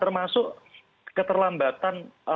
termasuk keterlambatan dari para banyak pihak